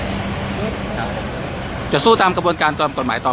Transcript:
พี่มีอะไรจะพูดกับเหตุการณ์ที่เกิดขึ้นไหมครับ